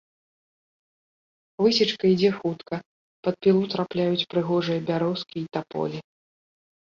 Высечка ідзе хутка, пад пілу трапляюць прыгожыя бярозкі і таполі.